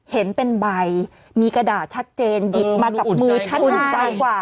เห็นเป็นใบมีกระดาษชัดเจนหยิบมากับมือชัดเจนกว่า